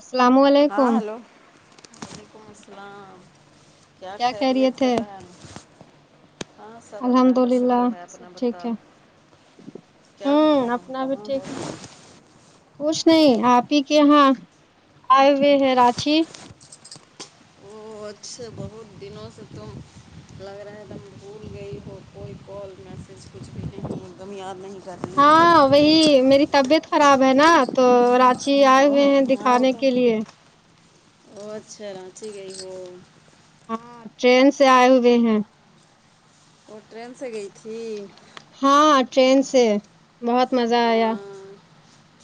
السلام ہاں علیکم ہیلو وعلیکم السلام کیا خیریت ہے بہن ہاں سب اللہ الحمد کا للہ شکر ہے سب اپنا ٹھیک بتاؤ ہے کیا ہو ہوں رہا اپنا بھی کہاں ہو ٹھیک ہے رہا کچھ نہیں آپ ہی کے یہاں آئے ہوئے ہیں رانچی وہ اچھے بہت دنوں سے تم لگ رہا تم بھول گئی ہو کوئی کال میسج کچھ بھی نہیں ایک دم یاد نہیں کرتے ہاں وہی میری طبیعت خراب ہے نا تو رات جی آئے او ہوئے ہو ہیں دکھانے کے لیے ا اچھا رانچی گئی وہ ہاں ٹرین سے آئے ہوئے ہیں وہ ٹرین سے گئی تھی ہاں ٹرین سے بہت مزہ آیا وہاں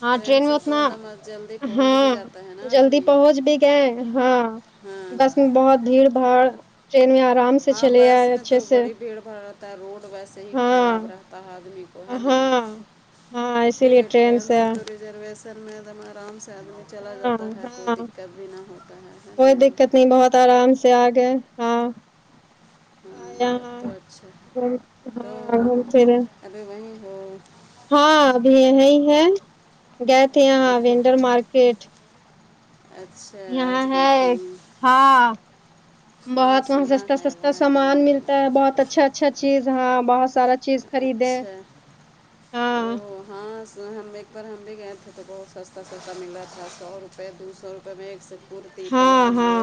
ہاں ٹرین میں سے تو اتنا ایک دم جلدی پہنچ ہاں بھی جاتا ہے نا جلدی آدمی پہنچ بھی گی ہاں ہاں بس میں بہت بھیڑ بھاڑ ٹرین میں آرام سے ہاں چلے بس آئے میں تو اچھے سے بڑی بھیڑ بھڑ رہتا ہے روڈ ویسے ہی خراب ہاں رہتا ہے آدمی وہ ہے نہیں ہاں ہاں ٹھیک اسی لیے ہے ٹرین سے تو ریزرویشن میں ایک دم آرام سے آدمی چلا ہاں جاتا ہے کوئی دقت بھی نہ ہوتا ہے کتنی بہت آرام سے آ گئے ہاں ہاں تب تو اچھا ہے تو وہاں [unintelligible] ابھی وہ ہو ہاں ابھی یہیں ہے گئے تھے یہاں دیکھو وینڈر مارکیٹ اچھا یہاں آج گئی ہے تھی ہاں ہاں بہت وہاں سنا سستا ہے سستا وہاں ایک سامان ونڈر ملتا ہے میں بہت اچھا اچھا چیز ہاں بہت سارا چیز خریدے اچھا او ہاں ہاں ہم ایک پر ہم بھی گئے تھے تو بہت سستا سستا مل رہا تھا سو روپئے دو سو روپئے میں ایک س ہاں ہاں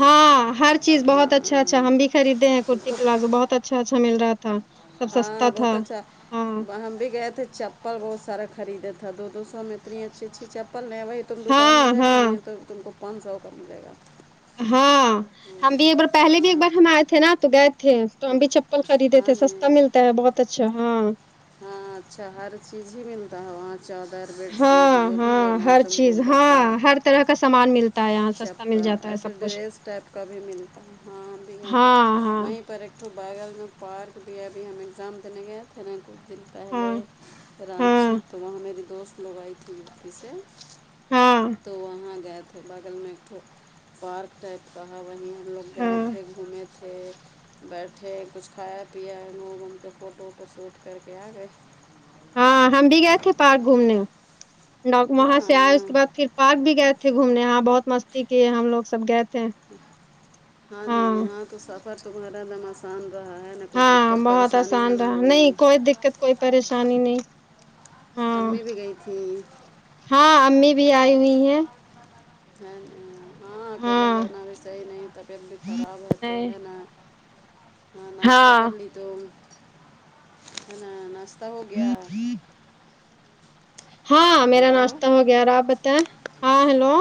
ہاں ہر چیز بہت اچھا ہاں اچھا ہم بھی خریدے ہیں کرتی تو پلازو بہت اچھا اچھا اچھا مل رہا تھا سب سستا ہاں تھا بہت اچھا ہاں ہم بھی گئے تھے چپل بہت سارے خریدے تھے تھا دو دو سو میں اتنی اچھی اچھی چپل نہیں ہے وہی تم دکان میں ہاں جا گی ہاں نہیں تو تو ان کو پانچ سو کا ملے گا ہاں ہم بھی ایک بار پہلے بھی ایک ہاں بار ہم آئے تھے نا تو گئے تھے تو ہم بھی چپ پل خریدے ہاں تھے سستا نہیں ملتا ہے بہت اچھا ہاں ہاں اچھا ہر چیز ہی ملتا ہے وہاں چادر بیڈ شیٹ ہاں جو بھی ہاں لینا ہے ہر تم کو چیز گدا ہاں ہر طرح کا سامان ملتا ہے یہاں سستا مل چپل جاتا ہے ایسے سب کچھ ڈریس ٹائپ کا بھی ملتا ہاں ہاں ہاں تو بغل میں پارک بھی ابھی ہمیں جام تنے کے تنے کو دن پہلے ہاں ہاں کرانچی تو وہاں میری دوست لگائی تھی مٹی سے ہاں تو وہاں گیا تھا بغل میں ایک تو پارک ٹائپ کہا وہیں ہے ہم لوگ گئے ہاں تھے گھومے تھے بیٹھے کچھ کھایا پیا انو ونو فوٹو ووٹو شوٹ کر کے آ گئے ہاں ہم بھی گئے تھے پارک گھومنے وہاں ہاں سے آئے اس کے بعد پھر پارک بھی گئے تھے تھے گھومنے یہاں بہت مستی کیے ہم لوگ سب گئے تھے ہاں نہیں ہاں تو سفر تمارا آسان رہا ہے نہ کوئی ہاں دقت بہت پریشانی نہ آسان نہ رہا ہوئی نہیں کوئی دقت کوئی پریشانی نہیں ہاں امی بھی گئی تھیں ہاں امی بھی آئی ہوئی ہیں بھین ہاں ہاں اکیلے جانا بھی صحیح نہیں طبیعت بھی خراب ہے تو ہے نا ہاں ناشتہ کر لی تو نا سب ہو گیا ہاں میرا ہیلو ناشتہ ہو گیا اور آپ بتائیں ہاں ہیلو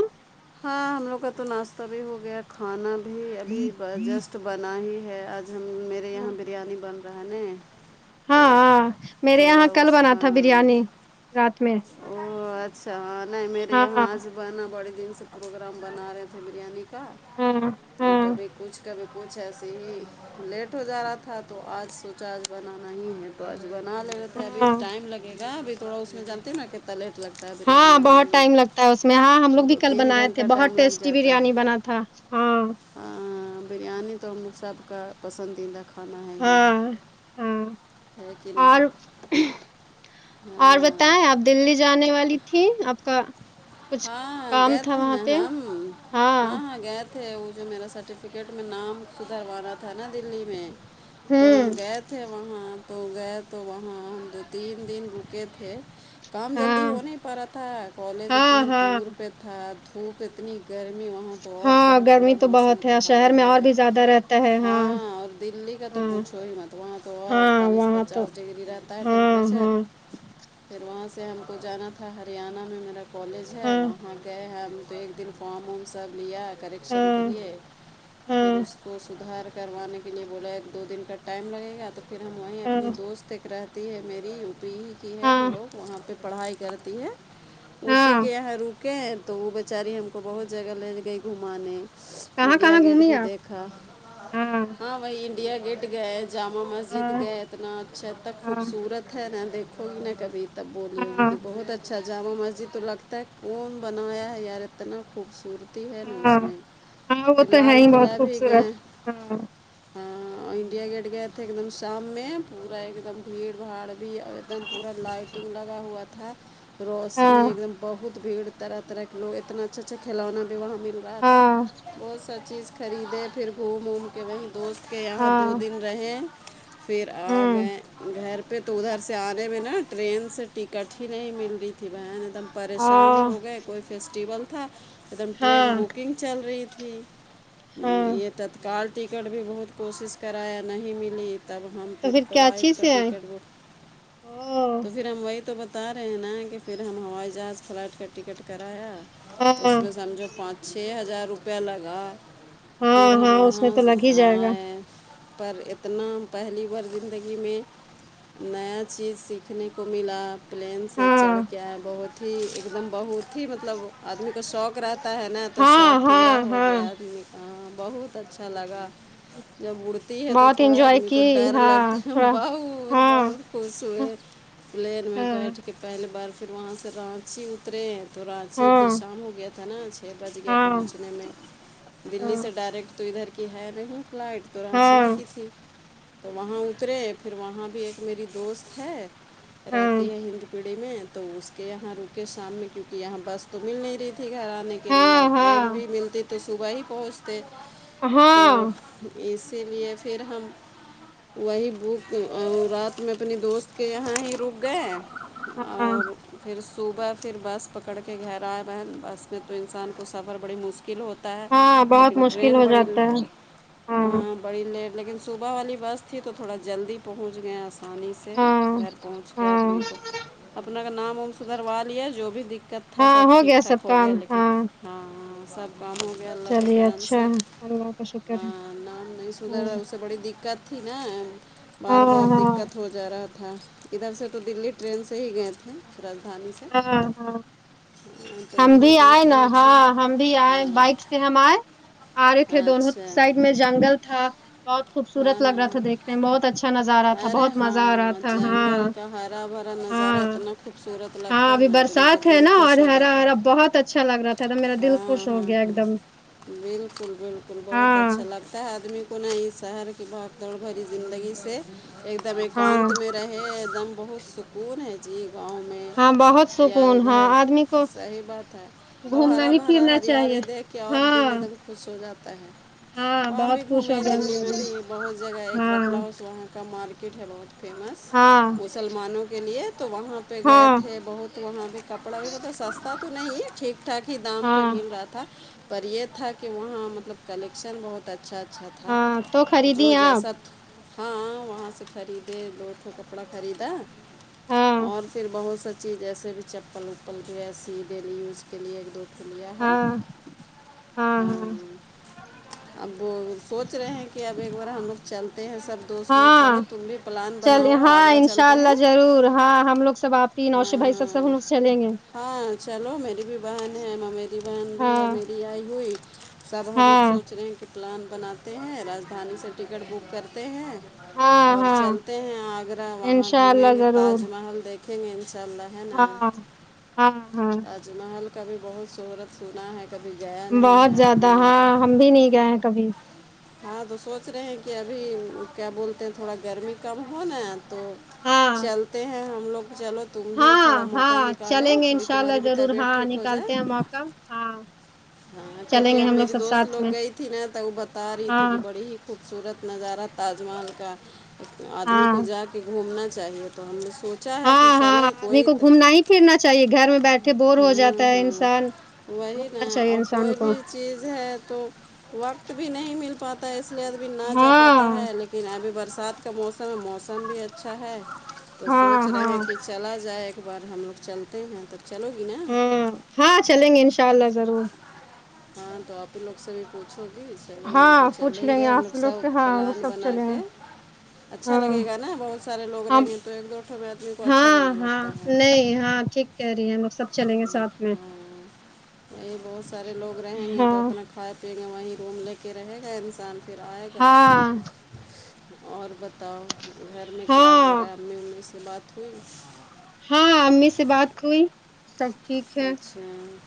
ہاں ہم لوگ کا تو ناشتہ بھی ہو گیا کھانا بھی ابھی جسٹ ک تو بنا ہی ہے آج ہم میرے یہاں بریانی بن رہا ہے نا تو ہاں ہاں میرے یہاں تھوڑا کل اس بنا تھا بریانی رات میں او اچھا نہیں میرے ہاں یہاں آج بنا بڑے دن سے پروگرام بنا رہے تھے بریانی کا ہاں تو ہاں کبھی کچھ کبھی پچھ ایسے ہی لیٹ ہو جا رہا تھا تو آج سوچا آج بنانا ہی ہے تو آج بنالے رہے تھے ابھی ہاں ٹائم لگے گابھی تھوڑا اس میں جانتے نا کتنا لیٹ لگتا ہے بریانی ہاں بنانے بہت ٹائم لگتا ہے اس ہاں ہم میں لوگ بھی دو کل تین بنائے تھے گھنٹہ بہت ٹائم لگ ٹیسٹی جاتا ہے بریانی بنا تھا ہاں ہاں بریانی تو ہم سب کا پسندیدہ کھ نا ہے ہی ہاں ہاں ہے کہ اور نہیں ہاں بتا ہے آپ دللی جانے والی تھی آپ کا کچھ ہاں ہاں کام گئے تھا تھے وہاں نا پہ ہم ہاں ہاں گئے تھے وہ جو میرا سرٹیفکیٹ میں نام سدھروانا تھا نا دلی میں تو ہم ہوں گئے تھ تھے وہاں تو گئے تو وہاں ہم دو تین دن رکے تھے کام جلدی ہاں ہو نہیں پا رہا تھا کالج ہاں اتنی ہاں دور پہ پہ تھا دھوپ اتنی گرمی وہاں پ اور ہاں بہت برا گرمی تو موسم بہت کا ہے حال شہر میں اور ہے بھی زیادہ رہتا ہے ہاں دلی کا تو ہاں پوچھو ہی ماتھ تو وہاں تو اور ہاں اڑتالیس وہاں تو پچاس ڈگری رہتا ہے ہاں ٹیمپریچر ہاں پھر وہاں سے ہم کو جانا تھا ہریانہ میں میرا کالج ہے ہاں وہاں گئے ہم تو ایک دن فارم وم سب لیا کریکشن کے ہاں لیے پھر ہاں اس کو سدھار کروانے کے لیے بولا ایک دو دن کا ٹائم لگے گا تو پھر ہم وہیں اپنی ہاں دوست ایک رات ت ہے میری یو پی ہی کی ہے وہ ہاں لوگ وہاں پہ پڑھائی کرتی ہے اسی ہاں کے یہاں رکیں تو وہ بیچاری ہم کو بہت جگہ لے گئی گھمانے کہاں انڈیا کہاں گیٹ گھومی بھی آپ دیکھا ہاں وہی انڈیا گیٹ گئے جامع مسجد ہاں گئے اتنا اچھا اتنا ہاں خوبصورت ہے نہا دیکھو گے نہ کبھی تب بولی ہوگی ہاں کہ بہت اچھا جامع مسجد تو لگتا ہے کون بنایا ہے یار اتنا خوبصورت ہے نا اس ہاں میں ہاں وہ پھر تو ہے لال ہی بہت قلعہ بھی گئے خوبصورت ہاں ہاں انڈیا گیٹ گئے تھے ایک دم شام میں پورا ایک دم بھیڑ بھاڑ بھی اور ایک دم پورا لائٹنگ لگا ہوا تھا پھر یہ ہاں ایک دم بہت بھیڑ طرح طرح کے لوگ اتنا اچھا اچھا کھلونا بھی وہاں مل رہا تھا ہاں بہت ساری چیز خریدے پھر گھوم اوم کے وہیں دوست کہ یہاں دو ہاں دن رہے پھر آ ہوں گئے گھر پہ تو ادھر سے آنے میں نا ٹرین سے ٹکٹ ہی نہیں مل رہی تھی بہن ایک دم پریشان ہاں ہو گئے کوئی فیسٹیول تھا ایک دم ٹرین ہاں بکنگ چل رہی تھی ہاں یہ تتکال ٹکٹ بھی بہت کوشش کرایا نہیں ملی تب ہم تو پھر فلائٹ کراچی کا سے آئے ٹکٹ بک او تو پھر پھر ہم وہی تو بتا رہے ہیں نا کہ پھر ہم ہوائی جہاز فلائٹ کا ٹکٹ کرایا اس ہاں میں سمجھو پانچ چھ ہزار روپیہ لگا ہاں پھر ہم ہاں اس وہاں میں تو سے لگ ہی جائے گا آئے پر اتنا پہلی بار زندگی میں نیا چیز سیکھنے کو ملا پلین سے چڑھ ہاں کیا بہت ہی ایک دم بہت ہی مطلب آدمی کا شوق رہتا ہے نا تو ہاں شوق ہاں پورا ہو ہاں گیا آدمی کا بہت اچھا لگا جب اڑتی ہے تو بہت تھوڑا انجوائے آدمی کی کو ڈر ہاں لگتا ہے تھوڑا بہت ہاں بہت خوش ہوئے پلین میں ہاں بیٹھ کے پہلی بار پھر وہاں سے رانچی اترے تو رانچی پھر ہاں شام ہو گیا تھا نا چھ بج گیا ہاں پہنچنے میں دلی سے ڈائریکٹ تو ادھر کی ہے نہیں فلائٹ تو ہاں رانچی ہاں ہی کی تھی تو وہاں اترے پھر وہاں بھی ایک میری دوست ہے ہاں رہتی ہے ہند پیڑھی میں تو اس کے یہاں رکے شام میں کیونکہ یہاں بس تو مل نہیں رہی تھی گھر آ نے کے لیے اور ہاں ٹرین بھی ہاں ملتی تو صبح ہی پہنچتے تو ہاں اسی لیے پھر ہم وہی بک رات میں اپنے دوست کے یہاں ہی رک گئے ہاں اور پھر صبح پھر بس پکڑ کے گرا ہے بہن بس میں تو انسان کو سفر بڑی مشکل کل ہوتا ہے ہاں بہت لیکن مشکل ٹرین ہو بڑی جاتا ہے ہاں بڑی لیٹ لیکن صبح والی بس تھی تو تھوڑا جلدی پہنچ گئے آسانی سے ہاں سے گھر پہنچ کے ہاں آدمی کو اپنا کا نام ام س دروا لیا جو بھی دقت تھا سب ہاں ہو گیا ٹھیک سب ٹھاک ہو گیا کام لیکن ہاں [unintelligible] ہاں سب کام ہو گیا اللہ کے چلیے کرم اچھا سے ہے اللہ کا شکر ہے ہاں نام نہیں سدھرا ہ اسے بڑی دقت تھی نا ہاں بار بار ہاں دقت ہو جا رہا تھا ادھر سے تو دلی ٹرین سے سے ہی گئے تھے رادانی سے ہاں ہاں ہاں، تو ہم وہاں بھی آئے دوست نا لوگ سے ہاں ہم بھی آئے ہاں بائک پھر ہم آئے آ رہے تھے دونوں اچھا سائڈ میں جنگل تھا بہت ہاں خوبصورت لگا ہاں تھا دیھکنے میں بہت اچھا اچھا نظارہ تھا ارے بہت ہاں مزہ آ رہا تھا ہاں جنگل کا ہرا بھرا نظارہ ہاں اتنا خوبصورت ہاں لگتا ہے ابھی نا آدمی کا برسات ہے دل نا اور خوش ہو ہرا جاتا ہے ہرا بہت اچھا لگ رہا تھا تو میرا دل ہاں خوش ہو ہاں گیا ایک ہاں دم بلکل بلکل بہت ہاں اچھا لگتا آدمی کو نہیں شہر کی بھاگ دوڑ بھری زندگی سے ایک دم ہاں ایکانت میں رہے ایک دم بہت سکون ہے جی گاؤں میں ہاں بہت یا سکون ہاں ادھر آدمی کو صحیح بات ہے اور گھومنا ہرا ہی بھرا پھرنا چاہیے ہریالی دیکھ کے اور ہاں دل دم خوش ہو جاتا ہے ہاں وہاں بھی بہت خوش ہو گھومے گیا دلی میرا میں دل بھی بہت جگہ ہے ایک باٹلہ ہاں ہاؤس وہاں کا مارکیٹ ہے بہت فیمس ہاں مسلمانوں کے لیے تو وہاں پہ پہ گئے ہاں تھے بہت وہاں بھی کپڑا بھی مطلب سستا تو نہیں ہے ٹھیک ٹھاک ہی دام پہ ہاں مل رہا تھا پر یہ تھا کہ وہاں مطلب کلیکشن بہت بہت اچھا اچھا تھا ہاں تو جو خریدی آپ جیسا ہاں وہاں سے خریدے بہت سا کا کپڑا خریدا ہاں اور پھر بہت سا چیز جیسے بھی چپل وپل کی ایسی ڈیلی یوز کے لیے ایک دو تو لیا ہے ہاں ہاں ہ ہاں [unintelligible] اب وہ سوچ رہے ہیں کہ اب ایک بار ہم لوگ چلتے ہیں سب دوست لوگ چلو تم بھی پلان چلے بناؤ ہاں آگرہ ان شاء چلتے ہیں اللہ ضرور ہاں ہم لوگ سب آپی نوشی ہاں بھائی سب ہاں سب ہم چلیں گے ہاں چلو میری بھی بہن ہے میری بہن بھی ہے ہاں میری آئی ہوئی سب ہم لوگ ہاں سوچ رہے ہیں کہ پلان بناتے ہیں راجدھانی سے ٹکٹ بک کرتے ہیں ہاں اور ہاں چلتے ہیں آگرہ وہاں انشاء گھومیں اللہ گے ضرور تاج محل دیکھیں گے انشاء اللہ ہے نا ہاں ہاں ہاں تاج محل کا بھی بہت شہورت سنا ہے کبھی گیا نہیں ہے بہت زیادہ آدمی ہاں ہم بھی نہیں گئے ہیں کبھی ہاں تو سوچ رہے ہیں کہ ابھی کیا بولتے ہیں تھوڑا گرمی کم ہو نا تو ہاں چلتے ہیں ہم لوگ چلو تم بھی تھوڑا ہاں موقع ہاں نکالو چلیں گے تھوڑی انشاء تمہاری اللہ بھی ضرور طبیعت ہاں ٹھیک ہو جائے نکالتے ہیں موقع ہاں ہاں چلیں کیونکہ گے اب ہم لوگ میری سب دوست ساتھ لوگ میں گئی تھی نا تو وہ بتا رہی تھی کہ ہاں بڑی ہی خوبصورت نظارہ تاج محل کا آدمی ہاں کو جا کے گھومنا چاہیے تو ہم نے سوچا ہے کہ ہاں ہاں چلیں آدمی کوئی کو ت گھومنا ہی پھرنا چاہیے گھر میں بیٹھے بور ہو جاتا ہوں ہے ہوں انسان وہی نا گھومنا چاہیے اور انسان کوئی کو بھی چیز ہے تو وقت بھی نہیں مل پاتا ہے اس لیے ا بھی نہ جا پاتا ہاں ہے لیکن لیکن ابھی برسات کا موسم ہے موسم بھی اچھا ہے تو ہاں سوچ ہاں رہے ہیں کہ چلا جائے ایک بار ہم لوگ چلتے ہیں تو چلو تینا ہاں ہاں چلیں گے انشاء اللہ ضرور ہاں تو آپ لوگ سے بھی پوچھوگی چلیں گے تو ہاں پوچھ چلیں لیں گے ہم آپ لوگ سب سے ہاں وہ پلان سب بنا چلیں گے کے اچھا ہاں لگے نا بہت سارے لوگ رہیں ہم گے تو ایک دوٹوں میں آدمی کو اچھا بھی ہاں نہ ہاں لگتا ہے نہیں ہاں ٹھیک کہہ رہی ہے ہم لوگ سب چلیں گے ساتھ میں ہاں وہی بہت سارے لوگ رہیں گے تو ہاں اپنا کھائے پییں گے وہیں روم لے کے رہے گا انسان پھر آئے گا ہاں اور بتاؤ گھر میں کیا ہاں ہو رہا ہے ہم نے امی سے بات ہوئی ہاں امی سے بات ہوئی ٹھیک ہے اچھا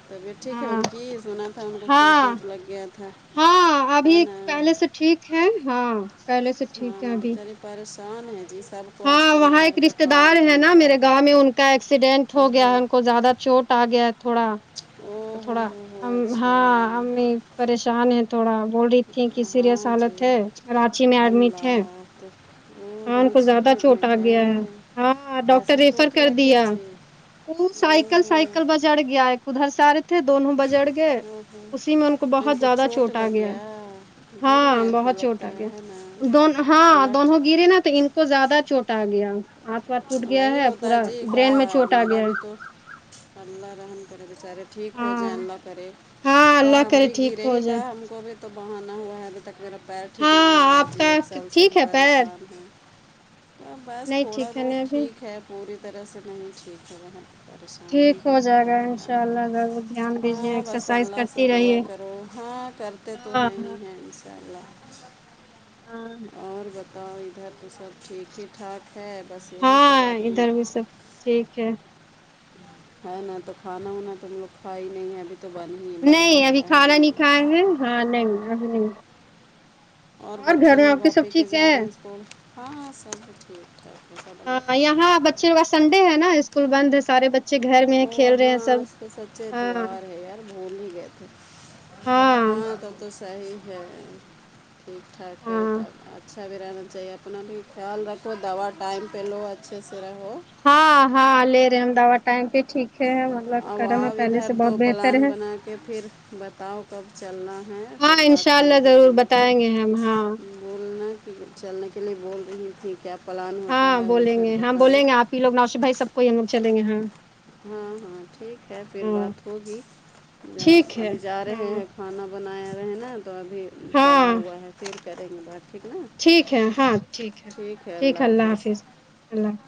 طبیعت ٹھیک ہے ہاں ان کی سنا تھا ان کو چوٹ ہاں ووٹ لگ گیا تھا ہاں ابھی پہلے سے ٹھیک ہے ہاں پہلے سے ہاں ٹھیک ہے نا ابھی بیچاری پریشان ہیں جی سب کو آج ہاں کل وہاں گھر ایک کا رشتے دار کام ہے نا دھندا میرے گاؤں میں کا ایکسیڈینٹ ہو گیا ہے اوہو ان کو زیادہ چوٹ آ گیا ہے تھوڑا او تو ہو تھوڑا ہو ہو ہاں اچھا امی پریشان ہیں تھوڑا بول رہی تھی کہ ہاں سیریس حالت جی ہے کرانچی میں ایڈمٹ ہے [unintelligible] کان کو رانچی زیادہ میں چوٹ آ ایڈمٹ گیا ہے ہاں ڈاکٹر کیسے ریفر چوٹ کر لگ گیا دیا جی وہ او سائیکل ہو سائیکل ب چڑ گیا ہے ادھر سارے تھے دونوں بجڑ گئے او ہو اسی میں ان کو بہت زیادہ چوٹ آ گیا گر ہاں گئے تھے بہت چھوٹا لگتا آ ہے گیا ہے نا دون ہاں اللہ دونوں گرے نا تو ان کو زیادہ چوٹ آ گیا ہاتھ واتھ ٹوٹ گیا وہی ہے ہوتا پورا جی کا برین میں چوٹ آ میرا گیا ہے بھی تو اللہ رحم کرے بیچارے ٹھیک ہو ہاں جائیں اللہ کرے ہاں توکا اللہ ہم کرے بھی ٹھیک گرے ہو ہی جائے کا ہم کو بھی تو بہانا ہوا ہے ابھی تک میرا پیر ٹھیک نہ ہو ہاں رہا ہے آپ جی کا ایک سال سے ہم ٹھیک ہے پیر پریشان ہیں بس نہیں تھوڑا ٹھیک ہے بہت نہیں ابھی ٹھیک پوری طرح سے نہیں ٹھیک ہوا پریشان ہی ٹھیک ہے ہو جائے کیا گا ان بتاؤں شاء اللہ ضرور دھیان دیجیے ہاں بس ایکسرسائز اللہ سے کرتی دعا رہیے کرو ہاں کرتے تو ہاں ہیں ہی ہاں ہیں ان شاء اللہ ہاں اور بتاؤ ادھر تو سب ٹھیک ہی ٹھاک ہے بس یہی ہاں سب آدمی ادھر بھی سب ٹھیک ہے ہے نا تو کھانا وانا تو ہم لوگ کھاائی ہی نہیں ہے ابھی تو بن ہی بنا نہیں ابھی ہوگا ہے کھانا نا نہیں کھائے ہیں ہاں نہیں اور گھر بچے میں لوگ سب آپ ہی کے ٹھیک جا ہے رہے ہیں اسکول ہاں سب ٹھیک ٹھیک ہاں یہاں بچے پس سنڈے ہے نا اسکول بند ہے سارے بچ وہ ہاں آج تو سچے ہاں اتوار ہے یار بول ہی گئے تھے ہاں تو تو صحیح ہے ٹھیک ٹھاک ہے ہاں تب اچھا بھی رہنا چاہیے اپنا بھی خیال رکھو دوا ٹائم پہ لو اچھے سے رہو ہاں ہاں لے رہے ہیں ہم دوا ٹائم پہ ٹھیک ہے کا اب کرم آؤ ہے پہلے ادھر سے تو بہت بہتر پلان ہے بنا کے پھر بتاؤ کب چلنا ہے ہاں پھر انشاء بات اللہ ہوگی ضرور ہم لوگ کی بتائیں گے ہم ہاں بولنا ک چلنے کے لیے بول رہی تیں کیا پلان ہوتا ہے ا گھر بتانا پیوگ نوشی بائی سب کو یہ ہمو چیں گےاں ہاں ہاں ٹھیک ہے پھر بات ہوگی ٹھیک ہے ابھی جا رہے ہاں ہیں کھانا بنایا رہے ہیں نا تو ابھی چڑھا ہاں ہوا ہے پھر کریں گے بات ٹھیک نا ٹھیک ہے ہاں ٹھیک ہے ٹھیک ہے اللہ حافظ اللہ حافظ